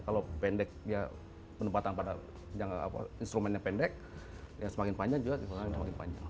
kalau pendek ya pendapatan pada instrumen yang pendek ya semakin panjang juga semakin panjang